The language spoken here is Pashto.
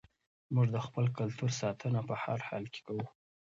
موږ د خپل کلتور ساتنه په هر حال کې کوو.